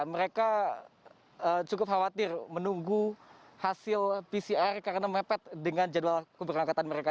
mereka cukup khawatir menunggu hasil pcr karena mepet dengan jadwal keberangkatan mereka